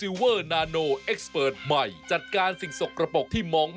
อีก๓นาทีจะหมดรายการแล้วเบบ